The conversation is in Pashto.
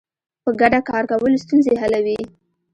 په ګډه کار کول ستونزې حلوي.